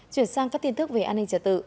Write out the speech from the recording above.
chuyển sang các tin thức về an ninh trả tự